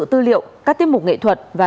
tư liệu các tiết mục nghệ thuật và